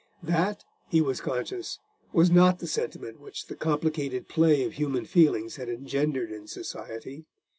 That, he was conscious, was not the sentiment which the complicated play of human feelings had engendered in society.